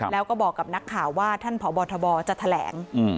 แล้วก็บอกกับนักข่าวว่าท่านพบทบจะแถลง